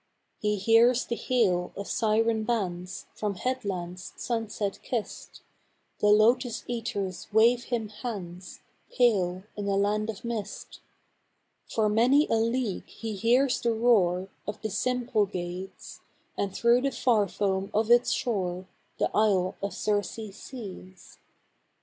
He hears the hail of Siren bands From headlands sunset kissed; The Lotus eaters wave him hands Pale in a land of mist. For many a league he hears the roar Of the Symplegades; And through the far foam of its shore The Isle of Circe sees.